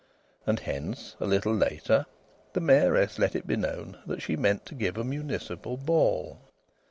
And hence, a little later, the Mayoress let it be known that she meant to give a municipal ball.